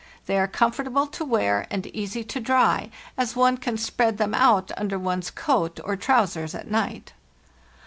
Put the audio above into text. They are comfort able to wear and easy to dry, as one can spread them out under one's coat or trousers at night.